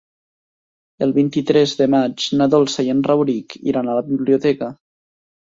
El vint-i-tres de maig na Dolça i en Rauric iran a la biblioteca.